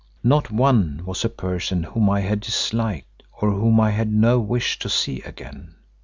Not one was a person whom I had disliked or whom I had no wish to see again.